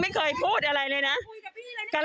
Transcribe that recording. สวัสดีคุณผู้ชายสวัสดีคุณผู้ชาย